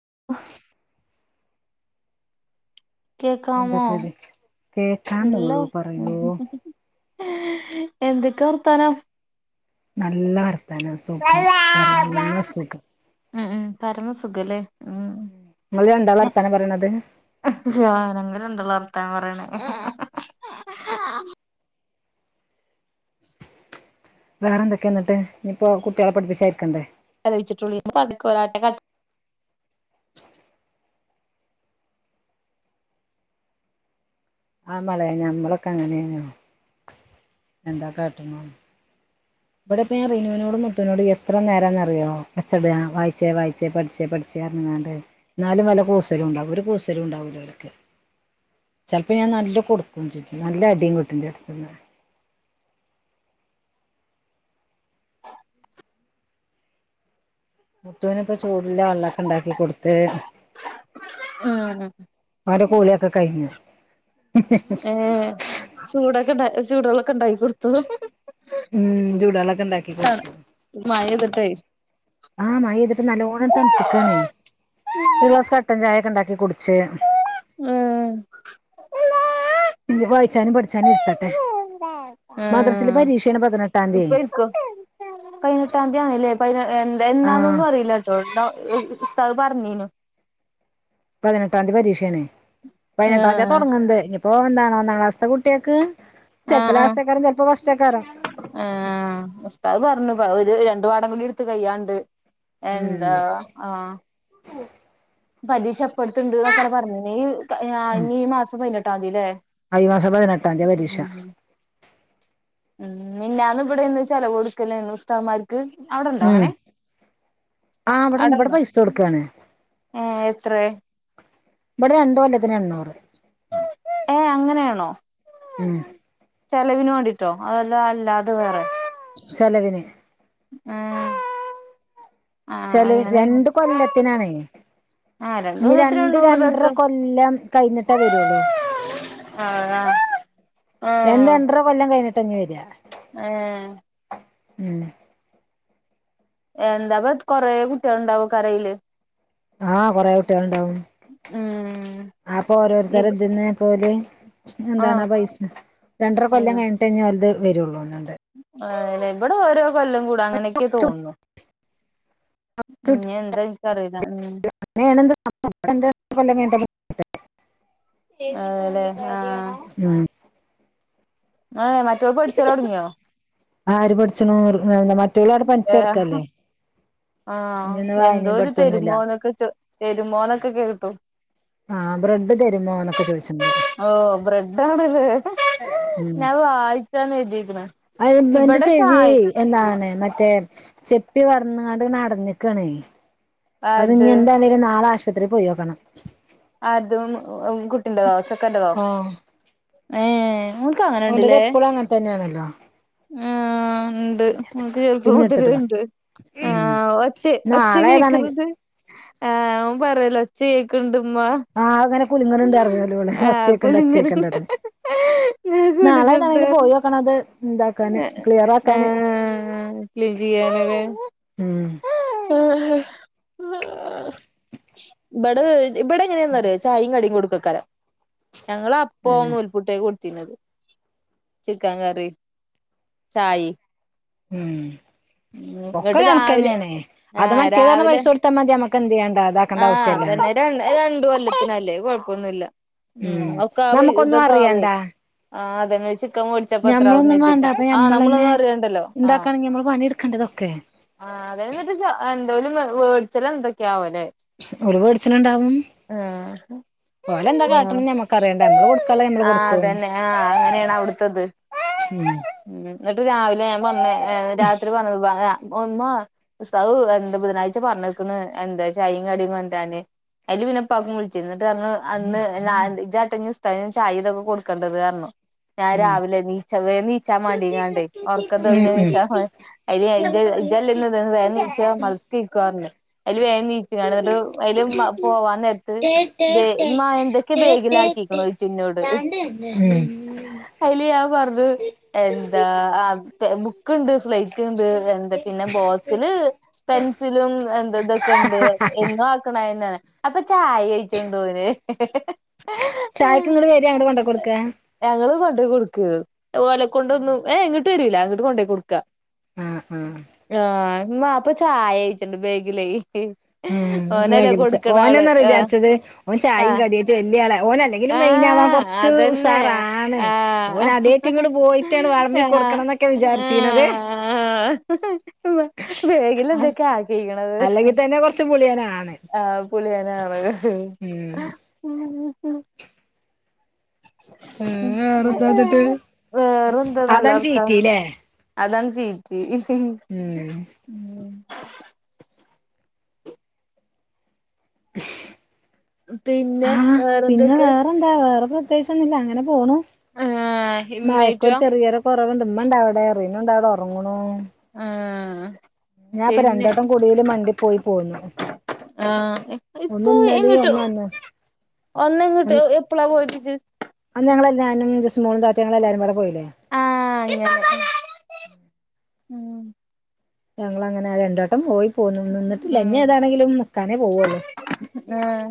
[inaudible] കേക്കമോ എന്തൊക്കെയല്ലേ കേക്കാൻ ഹലോ. മോളൂ പറയൂ എന്തൊക്കെ വർത്താനം. നല്ല വർത്താനം സുഖം നല്ല സുഖം. ഉം ഉം പരമസുഖല്ലേ ഉം ഇങ്ങൾ എന്താ വർത്താനം പറയണത്. അഹ് ഞങ്ങൾ രണ്ടാള് വർതാനം പറയ്ണത്. വേറെ എന്തൊക്കെ ന്നട്ട് ഇയിപ്പോ കുട്ടികളെ പഠിപ്പിച്ചാനീരിക്കണ്ടേ. കലവിച്ചിട്ടുള്ളി [unintelligible] ആ മളെ ഞമ്മളൊക്കെ അങ്ങനെയോ എന്താ കാട്ടുന്നു. ഇവിടെപ്പോ റിനുവിനോടും മുത്തുനോടും എത്ര നേരംന്ന്റിയോ ഒച്ചട വായിച്ചേ വായിച്ചേ പഠിച്ചേ പഠ ചേർന്ന്ങ്ങാണ്ട്. ഇന്നാലും വല്ല കൂസലും ഉണ്ടോ, ഒരു കൂസലും ഉണ്ടാവൂല ഓൽക്ക്. ചിലപ്പോൾ ഞാൻ നല്ല കൊടുക്കും ചും നല്ല അടിം കിടും ന്റെ അടുത് ന്. [inaudible] മുത്തുന് ഇപ്പം ചൂടുള്ള വെള്ളമൊക്കെ ഉണ്ടാക്കി കൊടുത്ത്. ആഹ് അവൻ്റൊ കൂളിയൊക്കെ കഴിഞ്ഞു. ഏഹ് ചൂടൊക്കെ ഉണ്ട ചൂടള്ളൊക്കെ ഉണ്ടാക്കി കൊടുത്തു. ഉം ചൂടളൊക്കെ ഉണ്ടാക്കി കൊടുത്തു. മഴ പെയ്തിട്ടേ ആഹ് മഴ പൊയ്തിട്ട് നല്ലവോണം തണുത്ത്ക്കണേ ഒരു ഗ്ലാസ് കട്ടൻ ചായയക്കെ ഉണ്ടാക്കി കുടിച്ച്. ഉം. വായിച്ചാനും പഠിച്ചാനും ഇർത്തട്ടെ മദ്രസൽ ഉം പരീക്ഷണ് പതിനെട്ടാംതി. ഇപ്പ ഇരിക്കോ പതിനെട്ടാം തീയതിയാണല്ലേ പ ആഹ് എന്നന്താന്നൊന്നും അറിയില്ല. ഇതണ്ട ഉസ്താത് പറഞ്ഞീനു. പതിനെട്ടാം തീയതി പരീക്ഷയാണ്. പതിനെട്ടാം തീയതിയാ ആഹ് തുടങ്ങ്ത്. ഇപ്പൊ എന്താണോ ഒന്നാം ഒന്ന് ഒന്ന് ഒന്ന് ക്ലസ്സ്ത്തെ കുട്ടികൾക്ക് ചിലപ്പോ ലാസ്റ്റ് ആക്കാരം ചിലപ്പോ ഫസ്റ്റക്കാരം. എഹ് ഉസ്താദ് പറഞ്ഞു ഒരു രണ്ടു പാടംകുടി ഇടുത്ത് കയ്യാണ്ട്. ഉം എന്താ ആഹ്. പരീക്ഷ ഇപ്പടത് ണ്ടന്ന് എന്നൊക്ക പരഞിന്. ഈ ഇനി ഈ മാസം പതിനെട്ടാം തീയതില്ലേ. അഹ് ഈ മാസം പതിനെട്ടാം തിയതിയ പരീക്ഷ. ഉം മിഞ്ഞാന്ന് ഇവിടെന്ന് ചെിലവ് കൊടുക്കല്ലേന്ന് ഉസ്താദ്മാർക്ക്. അവിടെണ്ടോ ഉം അങ്ങനെ ആഹ് ഇവിടെ ഇവിടെ അവിടെണ്ടോ. പൈസ കൊടുക്കാണ് അഹ് എത്ര. ഇവിടെ രണ്ട് കൊല്ലത്തിന് എണ്ണൂറ്. അഹ് അങ്ങനെയാണോ? ഉം. ചെലവിന് വേണ്ടിട്ടോ അതെല്ലാം അല്ലാതത് വേറെ. ചെലവിന്. ആഹ്. ആഹ് ചെലവ് അങ്ങനെയാണ് രണ്ട് കൊല്ലത്തിനാണെ. ആഹ് ഇനി ദിവസത്തിന് രണ്ട് നൂറ് രണ്ടര പേർക്ക് കൊല്ലം കഴിഞ്ഞിട്ടേ വരുള്ളു. ആഹ് ആ ആ. രണ്ട് രണ്ടര കൊല്ലം കഴിഞ്ഞട്ടാണ് ഞ് വരാ. ഹേ. ഉം. എന്താപ്പ കൊറെ കുട്ടികൾ ഉണ്ടാവും യ് കരംആയില്. ആഹ് കൊറെ കുട്ടികൾണ്ടാവും ഉം അപ്പൊ ഓരോരുത്തരുടെ ഇവ് ഇതിൻ പോല്. ആഹ് എന്താണാ പൈസ രണ്ടര കൊല്ലം കഴിഞ്ഞിട്ടെ ഓലത് ഇഞ്ഞ് വരുള്ളൂ. തോന്നുണ്ട് അ ഇവിടെ ഓരോ കൊല്ലം കൂടെ അങ്ങനെയൊക്കെ തോന്നുണ്. ഉം എന്താ എനിക്ക് അറിയുല. ഉം അങ്ങനെയണ [unintelligible] എയുതി അതെല്ലേ പോകേണ്ട ആഹ് കാര്യാണോ. ഉം ഹേ മറ്റൊൾ പഠിച്ചൽ തുടങ്ങിയോ? ആര് പഠിച്ചണൂ എന്താ മറ്റൊൾ അവിടെ ഏഹ് പനീച്ചുെടുക്കല്ലേ. ആഹ് എന്തോ ഒരു പഠിത്തൊന്നുമില്ല തെരുമോനൊക്കെ തെരുമോനൊക്കെ കേട്ടു ആഹ് ബ്രെഡ് തരുമോ എന്നൊക്കെ ചോദിച്ചിണ്ട് ഓ ബ്രെഡ് ആണല്ല ഞാൻ വായിച്ചാണ് എഴുതിക്കുന്ന അയമന്റെ ചെവി എന്താണ് മറ്റേ ചെപ്പി കടന്നണ്ട് അ നടന്നിക്കണേ അത് ഇനി ആര്ത് എന്താണ്ടും നാള ആ പത്രി പോയോക്കണം അതും കുട്ടിന്റെതോ ചെക്കന്റെതോ ആഹ് ഏഹ് ഓന്ക്ക് ഓന്റത് അങ്ങനെുണ്ടല്ലേ എപ്പളും അങ്ങനെ തന്നെയാണല്ലോ ഉണ്ട് നമുക്ക് ചെറുപ്പ പിന്നെ എടുത്തിട്ട് വാ മുതിരുണ്ട് ഉം ആഹ് ഒച്ച ഒച്ച നാളെ ഏതാണ് കേക്കുന്നത് ആഹ് ഓന് പറല ഒച്ച കേക്കണ്ട്മ്മ ആഹ് അങ്ങനെ കുലുങ്ങുണ്ട അറിയോല്ലോള്ള ഒച്ചേക്കണ്ട കുലുങ്ങല് അച്ചേക്കണ്ടന്ന് ഞാൻ നാളായി നാണെങ്ക പോയോ ആണത് ഏഹ് ക്ലീൻ ചെയ്യാനല്ലേ [inaudible] ഉം ഇവിടെ ഇവിടെ എങ്ങനെയന്നാറിയ ചായയും കടിയും കൊടുക്കക്കാല ഞങ്ങള് അപ്പ ഒ ഏഹ് പുട്ടേ കൊടുത്തിന്നത് ചിക്കൻ കറി ചായിം ഉം ഒക്ക ഇങ്ങട്ട് രാവിലെ കണക്കന്നെയെണ് അത് ആഹ് മറ്റേതന്നെ രാവിലെ പൈസ കൊടുത്താ മതി നമ്മക്കെന്താ ആഹ് അതന്നെ ര രണ്ടു കൊല്ലത്തിനല്ലേ കൊഴപ്പൊന്നുല്ല ഉം ഒക്കെ ആവ നമുക്കൊന്നും ഇതൊക്കെ ആവ അറിയണ്ട ആഹ് അതെ ചിക്കൻ പച്ച പത്ര ഒന്ന ഞമ്മളൊന്നും വേണ്ട എഴതിട്ടാ അപ്പൊ ആഹ് ഞമ്മളന്നെ നമ്മളൊന്നും അറിയണ്ടല്ലോ ആഹ് ഇണ്ടാക്കാണെങ്കി നമ്മള് പണിയെടുക്കണ്ടേ ഇതൊക്കെ ആഹ് അത എന്നിട്ട് എന്തേലും വേടിച്ചെല്ലാം എന്തൊക്കെയ ആവല്ലേ ഓൽ വെട്ച്ചൽണ്ടാവും ആഹ് ഉം ഞമ്മക്കറിയണ്ട നമ്മള് കൊടുക്കാനുള്ളത് നമ്മള് ആഹ് കൊടുത്തു ഉം അതന്നെ ആഹ് അങ്ങനെയാണ് അവിടുത്തത് ഉം ഉം എന്നിട്ട് രാവിലെ ഞാൻ പറഞ്ഞത് രാത്രി പറഞ്ഞത് ഒന്ന സ്താവു എന്താ ബുധനാഴ്ച പറഞ്ഞിക്കണ് എന്താച്ച അയും കടിയുംകൊന്താന് അയ്ല് വിനപ്പക്കം വിളിച്ചു എന്നിട്ട് കാര അന്ന് ചാട്ടൻ പുസ്ത ചായ ഇതൊക്കെ കൊടുക്കേണ്ടതറഞ്ഞു ഞാൻ രാവിലെ നീച്ച വേം നീച്ചാ മടിയങ്ങാണ്ട ഉറക്കം ഉം തോങ്ങാ നീച്ചാ ഉം [unintelligible] വേം നീച്ചോ [unintelligible] അയ്ല് വേം നീച് കാണ എന്നിട്ട് അയ്ലും പോവാന്നരത് വെ ഉമ്മാ എന്തൊക്കെ വേഗിലാക്കിക്കണോ ചുന്നോട് ഉം അയ്ൽ ഞാൻ പറഞ്ഞു എന്താ [unintelligible] ക്ക്ണ്ട് സ്ലൈറ്റ് ഉണ്ട് എന്താ പിന്നെ ബോക്സില് പെൻസിലും എന്തത് അപ്പൊ ചായ കഴിച്ചണ്ടോയിന് ചായക്ക് ഇങ്ങട്ട് വരെ അങ്ങട്ട് കൊണ്ടോ കൊടുക്കേ? ഞങ്ങള് കൊണ്ട് കൊടുക്കഹ് ഓലെ കൊണ്ടൊന്നും ഏഹ് ഇങ്ങട്ട് വരൂല അങ്ങട്ട് കൊണ്ടോയി കൊടുക്ക. ആഹ് ആഹ് ആഹ് ന്നാപ്പ ചായ യിച്ചിണ്ട് ബേഗിലേ. ഉം ഓനല്ലേ [unintelligible] കൊടുക്കണ ഓനാ ആള് ന്നറിയോ ആഹ് വിചാരിച്ചത് ഓൻ ആ ചായിം കടിയായിട്ട് വല്യ ആളെ ഓനല്ലെങ്കിലും ആ മെയിനാവാൻ കൊർ ച്ചു അതന്നെ. ഉസാറാണ് ആ. ഓന് ആദ്യായിട്ട് ഇങ്ങട്ട് പോയിട്ടാണ് വളമ്പി ആ. കൊടുക്ക്ണന്ന ആ. വിചാരിച്ചീണത് ബേ അ ബേഗിലെന്തൊക്കെ ആക്കിക്ക്ണത്? അല്ലങ്കി തന്നെ കൊ ത്ത് പുളിയനാണ് ആഹ് പുളിയനാണ് ഉം വേറെത്താന്ന്ട്ട്? വേറെന്താ നല്ല അതാണ് വർത്താനം ചീറ്റില്ലേ? അതാണ് ചീറ്റി ഉം ഉം ഹ പിന്നെ വേറെന്തൊക്കെ? ന്താ വേറെ പ്രത്യേകിച്ചൊന്നുല്ല അങ്ങനെ പോണു. ആ മഴക്കൊരു ഇമ്മേറ്റുവാ ചെറിയൊര് കൊറവ്ണ്ട് ഇമ്മണ്ടവ്ടെ റിനുണ്ടവ്ടെ ഒറ്ങ്ങ്ണൂ. ആഹ് ഞാപ്പം രണ്ടട്ടം കുടീല് മണ്ടി പോയി പോന്നു. ആഹ് ഇ ഒന്ന് ഇപ്പൊ ഇന്നലിം ഇങ്ങട്ടോ? ഒന്ന് അന്നും ഒന്നങ്ങ്ട്ട് എപ്പളാ പോയത്ജ്? അന്ന് ഞങ്ങളെല്ലാരും ജസ്റ്റ് മോൾ താത്തിം ഞങ്ങളെല്ലാരുപാടെ പോയിലേ? ആഹ് അങ്ങനെ ഉം ഞങ്ങളങ്ങനെ രണ്ടട്ടം പോയി പോന്നു. നിന്നിട്ടില്ല ഉം ഇഞ്ഞേതാണെങ്കിലും നിക്കാനേ പോവള്ളൂ. ആഹ്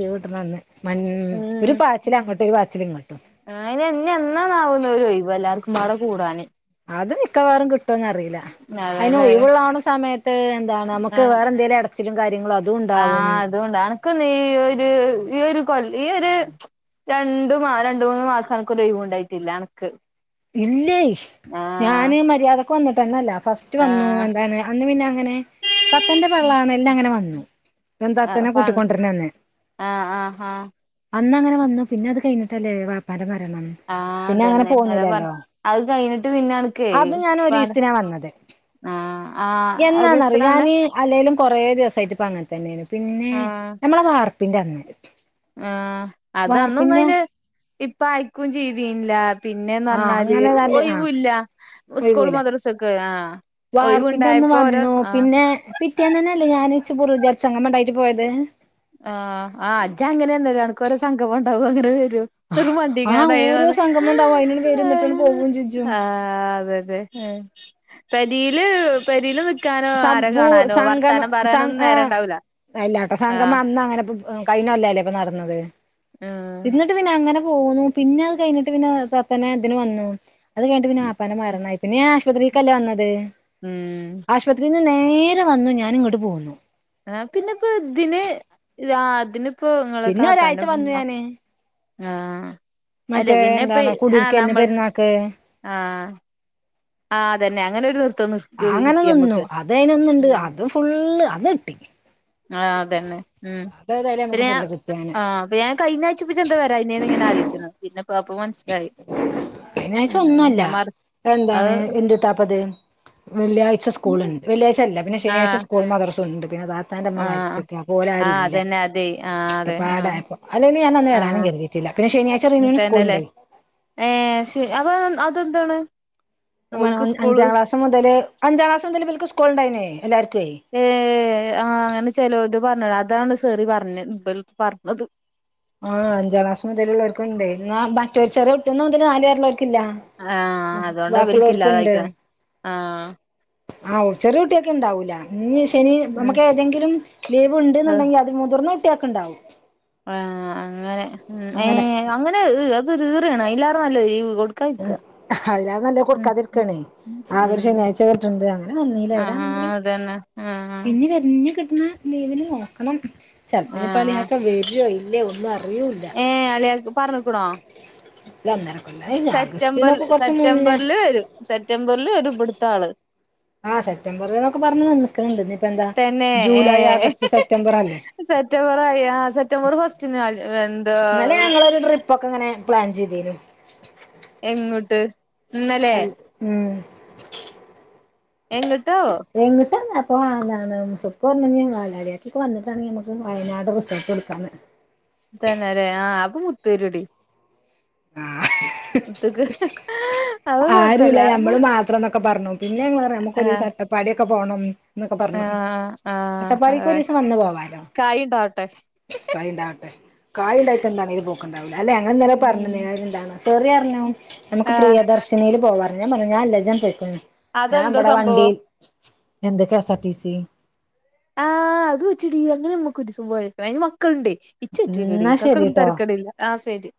ലീവ്ട്ട്ണ അന്ന് മൻ ഒരു പാച്ചിലങ്ങട്ടും ഒരു പാച്ചിലിങ്ങട്ടും. ആഹ് അയ്നെ ഇഞ്ഞിന്നാണാവോന്നൊരു ഒഴിവ് എല്ലാർക്കുപാടെ കൂടാന്? അത് മിക്കവാറും കിട്ടോന്നറി ല്ല അതേല്ലേ അയിനൊഴിവുള്ളാവ്ണ സമയത്ത് എന്താണ് നമുക്ക് ആഹ് വേറെന്തെലും എടച്ചിലും കാര്യങ്ങളോ അ ആഹ് അതുണ്ട് അനക്ക് നീ ഒര് ഈ ഒരു കൊല് ഈ ഒരു രണ്ട് മാ രണ്ട്, മൂന്ന് മാസം അനക്കൊരുഴിവുണ്ടായിട്ടില്ല അനക്ക്. ഇല്ലേ ആഹ് ഞാന് മര്യാദക്ക് വന്നിട്ടെന്നെല്ല. ഫസ് റ്റു വന്നു ആഹ് എന്താണ് അന്ന് പിന്നെ അങ്ങനെ തത്തന്റെ പള്ളാണല്നങ്ങനെ വന്നു. ആഹ് എന്താത്തനെ പ കൂട്ടിക്കൊണ്ടര്ണന്ന്. ആഹ് ആഹ് ആഹ് അന്നങ്ങനെ വന്നു പിന്നെ അത് കഴിഞ്ഞട്ടല്ലേ വാപ്പാൻ്റെ മരണം. ആഹ് അതന്നെ അത പ നോ അതും ഞാൻ ഇപ്പാന്റെ ഒരീസ്ത്തിനാ വന്നത്. ആഹ് ആഹ് ഒരു എന്നാന്നറിയോ എത്രന്ന് ഞാന് അല്ലേലും കൊറേ ദിവസായിട്ട്പ്പ അങ്ങൻ തന്നേണ്. പിന്നെ ആഹ് നമ്മള വാർപ്പിന്റന്ന് ആഹ് അതന്നും അയിന് ഇപ്പ അയിക്കും ചെയ്തീൻല്ല. ആഹ് പിന്നെന്നറ്‌ന്നാല് അങ്ങനെ നല്ല ആഹ് ഒയിവുല്ല സ്കൂൾ മദ്രസൊക്കെ ആഹ്. വാർപ്പിന്റന്ന് ഒഴിവുണ്ടായപ്പോ ഓരോ വന്നു ആഹ് പിന്നെ പിറ്റേന്നനല്ലേ ഞാൻ ഇച്ച് പൂറുജ സംഗമണ്ടായിട്ട് പോയത്? ആഹ് ആഹ് ഇജ്ജങ്ങനെന്നരാ അനക്കോരോ സംഘംമണ്ടാവു അങ്ങനെ വരും. ആഹ് ഓരോ മണ്ടിക്കാണ്ടയിനോന്ന് സംഗമം ഉണ്ടാവും അയിനാണ്ട് വരും എന്നിട്ടാണ്ട് ആഹ് പോവും ചെജ്ജും ആഹ് അതെന്നെ ഹെ പെരീല് പെരീല് നി സംഭൂ സംഗമ സങ് ആഹ് നേരണ്ടാവൂല വെല്ലാത്ത ആഹ് സംഗമന്നങ്ങനെ പു ഉം കഴിഞ്ഞൊല്ലല്ലേ ഇപ്പ നടന്നത്. ആഹ് ട്ട് പിന്നെ അങ്ങനെ പോന്നു പിന്നെ അതു കഴിഞ്ഞിട്ട് പിന്നെ തത്തനെ ഇതിന് വന്നു. അത് കഴിഞ്ഞ്ട്ട് പിന്നെ വാപ്പാൻ്റെ മരണായി. പിന്നെ ഞാൻ ആശുപത്രീക്കല്ലേ വന്നത്. ഉം. ആശുപത്രീന്ന് നേരെ വന്നു ഞാനിങ്ങട്ട് പോന്നു. ആ പിന്നെ ഇപ്പോ ഇതിന് ആഹ് ഇതിന്പ്പോ ഇങ്ങളെ പിന്നെ ഒരാഴ്ച താത്താന്റെ വന്നു ഉമ്മ ഞാന് ആഹ് അല്ലെ മറ്റേ പിന്നെ ഇപ്പെ എന്താണ് ആഹ് കുടിയിരിക്കലിന് നമ്മൾ പെരുന്നാക്ക് ആഹ്. ആഹ് തെന്നെ അങ്ങനൊരു നിർത്തം നിർ ആങ്ങനെ നിന്നു അതെയ്നൊന്നുണ്ട് അത് ഫുള്ള് അത്ട്ടി. ആഹ് അതന്നെ ഉം ഏതായാലും പിന്നെ നമുക്ക് ഞാ ഫുള്ള് കിട്ടിയങ്ങനെ ആഹ് പിന്നെ ഞാ കഴിഞ്ഞാ ച്ചപ്പിച്ചെന്ത വരായിന് ന്ന് ഇങ്ങനെ ആലോയ്ച്ചയ്ന്നു. പിന്നെപ്പോ അപ്പോ മൻസ്സിലായി ശനിയാഴ്ച ഉം ഒന്നുമല്ല ഞാ മർ എന്താണ് എന്തിതാപ്പത് വെള്ളിയാഴ്ച സ്കൂള്ണ് വെള്ളിയാഴ്ച്ച ഇല്ല പിന്നെ ശനിയാഴ്ച ആഹ് സ്‌ക്കൂളും മദ്രസുണ്ട് പിന്നെ താ ത്താന്റെമ്മ ആഹ് മരിച്ചിട്ട് അപ്പോ ആഹ് ഓലാരുല്ല. അതന്നെ അതെ ആഹ് ഒക്കെ അതെ ആഹ് പാടായപ്പോ അല്ലേലു ഞാനന്ന് വരാനു ആഹ് കരുതിട്ടില്ല പിന്നെ ശനിയാഴ്ച റിനൂന് തന്നെല്ലേ സ്കൂളുണ്ടെ. ഏഹ് ശ് അപ്പോ അതെന്താണ്? മ ഓൽക്ക് [unintelligible] സ്കൂള് അഞ്ചാ ക്ലാസ് മുതൽ അഞ്ചാ ക്ലാസ് മുതല് ഇബൽക്ക് സ്കൂളിണ്ടായ്നു എല്ലാരുക്കേ. ഏഹ് ആ അങ്ങനെ ചെലോല്ത് പറഞ്ഞോട അതാണ് സെറി പറഞ്ഞത് ഇ പറഞ്ഞത് ആഹ് അഞ്ച ക്ലാസ് മുതല് ഉള്ള അവർക്കുണ്ടെ എന്ന മറ്റൊരു ചെറിയ കുട്ടിയന്നും മുതൽ നാലു വരെ ഉള്ളോർക്കില്ല. ആഹ് അതുകൊണ്ട് ഇവൽക്കില്ലാതെ ആയിക്കണ് ആഹ്. ആഹ് ഉ ചെറ കുട്ടിയോക്ക് ഉണ്ടാവൂല. ഇനി ശനി ഉം നമുക്ക് ഏതെങ്കിലും ലീവ് അഹ് ഉണ്ടെന്നുണ്ടെങ്കിൽ അത് മുതിർന്ന കുട്ടിയാക്ക് ഉണ്ടാവും. ആ അങ്ങനെ അങ്ങനെ ഏഹ് അങ്ങനെ ഈ അതൊരു ഈറെണ് എല്ലാവാരും നല്ലീ കൊ ക്കാരിക്ക. അതിനാളും നല്ലെ കൊടുക്കാതിരിക്കാണേ ആകെ ഒരു ഉം ശനിയാഴ്ച കിട്ടണ്ട് അങ്ങനെ വന്നീല്ല ആഹ് ഇതാണെങ്കില് അതന്നെ ആഹ് പിന്നെ കരിഞ്ഞു കിട്ടുന്ന ലീവിന് നോക്കണം ചപ്പഞ്ഞപ്പാലി ആഹ് ആക്കെ വരോ ഇല്ലയോ ഒന്നും അറി ഏഹ് അല്ലിയാക്ക് പറഞ്ക്കണോ? അല്ല ഒന്നര കോല്ലായി ആഗസ്റ്റിനൊക്കെ കൊറച്ച മുന്നേ സെറ്റംബറില് ഒരു ഇബ്ടുത്ത ആള്. ആഹ് സെപ്റ്റംബർ എന്നൊക്കെ പറഞ്ഞ് നിൽക്കണിണ്ട് ഇന്ന് ഇപ്പൊ എന്താ തന്നെ ജൂലൈ ആഗസ്റ്റ് സെപ്റ്റംബർ അല്ലേ. സെപ്റ്റംബർ ആയി ആ സെപ്റ്റംബർ ഫസ്റ്റന് എന്താ? ഒരു ട്രിപ്പ് ഒക്കെങ്ങനെ പ്ലാൻ ചെയ്തീനു. എങ്ങോട്ട്? ഉം. എങ്ങട്ടോ? എങ്ങിട്ടാന്ന അപ്പോ അ എന്താണ് സുപ്പ് പറഞ്ഞ് വാലാരിയാക്കൊക്കെ വന്നിട്ടാണെങ്കി നമുക്ക് വയനാട് റിസോർട്ട് എടുക്കാന്ന്. തന്നെ അല്ലേ ആഹ് അപ്പ മുത്തു വരു ഡീ. ആഹ്. ഉത്തക്ക് അത് കൊഴപ്പില്ല. ത്ര എന്നൊക്കെ പറഞ്ഞു പിന്നെ വന്ന് പറയ നമുക്ക് ഒരുസം അട്ടപ്പാടിയൊക്കെ പോണം എന്നൊക്കെ പറഞ്ഞു ആഹ് ആഹ് അട്ടപാടീക്ക് അതെ ഒരീസം വന്ന പോവാലോ. കായിണ്ടാവട്ടെ കായ് ഉണ്ടാവട്ടെ കായ് ഉണ്ടായിട്ട എന്താണ് ഇത് പോക്കണ്ടാവില്ല അല്ലെ അങ്ങനെ ഇന്നലെ പറഞ്ഞ ഉം നേ എന്താണ് സെറി അറിഞ്ഞു നമുക്ക് ആഹ് പ്രിയദർശിനീല് പോവാ പറഞ്ഞ് ഞാൻ പറഞ്ഞ് ഞാൻ ഇല്ല ഇജ്ജന്നെ പൊയ്ക്കൊന്ന്. ഞാൻ അതെന്താ ഇവിടെ സംഭവം വണ്ടിൽ എന്തൊ കെസ്ആർ ടിസിി ആഹ് അത് വെച്ചിടി അങ്ങനെ നമ്മുക്ക് ഒര സം പോയ ക്കണം അതിന് മക്കളുണ്ട് ഇച് പറ്റൂലടി എന്നാ ഇക്കാക്കൊന്നു ശരിട്ടോ തിക്കടില്ല ആ ശരി